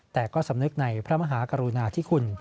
แต่ก็สำนึกในพระมหากรุณาธิคุณ